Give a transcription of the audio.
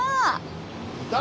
いた！